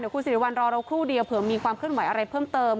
คุณสิริวัลรอเราครู่เดียวเผื่อมีความเคลื่อนไหวอะไรเพิ่มเติม